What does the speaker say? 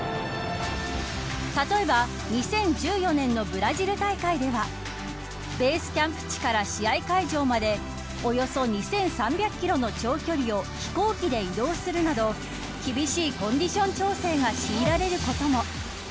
例えば２０１４年のブラジル大会ではベースキャンプ地から試合会場までおよそ２３００キロの長距離を飛行機で移動するなど厳しいコンディション調整がしいられることも。